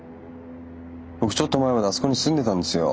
僕ちょっと前まであそこに住んでたんですよ。